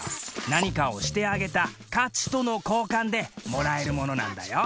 何かをしてあげた価値との交換でもらえるものなんだよ。